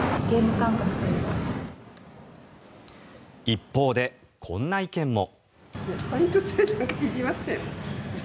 一方で、こんな意見も。